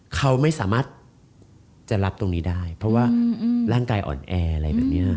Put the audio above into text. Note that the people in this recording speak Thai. เขาไม่สามารถจะรับตรงนี้ได้เพราะว่าร่างกายอ่อนแออะไรแบบนี้